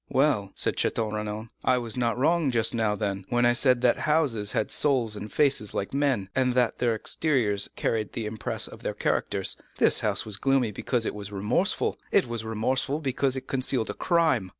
"Well," said Château Renaud, "I was not wrong just now then, when I said that houses had souls and faces like men, and that their exteriors carried the impress of their characters. This house was gloomy because it was remorseful: it was remorseful because it concealed a crime."